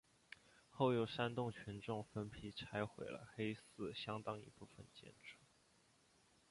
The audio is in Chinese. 后又煽动群众分批拆毁了黑寺相当一部分建筑。